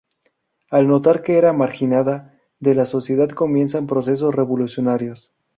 Al notar que era "marginada" de la sociedad comienzan procesos revolucionarios.